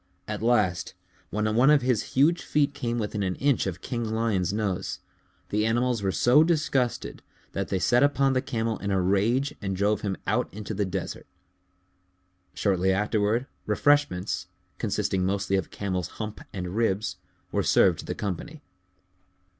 At last, when one of his huge feet came within an inch of King Lion's nose, the animals were so disgusted that they set upon the Camel in a rage and drove him out into the desert. Shortly afterward, refreshments, consisting mostly of Camel's hump and ribs, were served to the company.